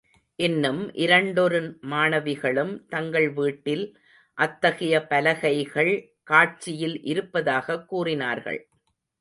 இன்னும் இரண்டொரு மாணவிகளும் தங்கள் வீட்டில் அத்தகைய பலகைகள் காட்சியில் இருப்பதாகக் கூறினார்கள்.